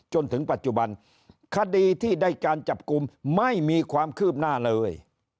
จนถึงปัจจุบันคดีที่ได้การจับกลุ่มไม่มีความคืบหน้าเลย